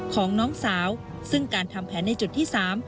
ของน้องสาวซึ่งการทำแผนในจุดที่๓